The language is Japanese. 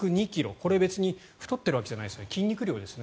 これは別に太っているわけじゃなくて筋肉量ですね。